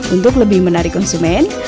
untuk lebih menarik konsumen